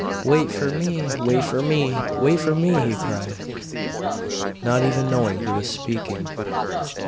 'Wait for me! Wait for me! Wait for me!' he cried; not even knowing he was speaking.